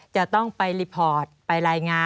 จะต้องไปรีพอร์ตไปรายงาน